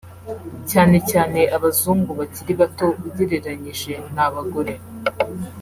cyane cyane abazungu bakiri bato ugereranyije n’abagore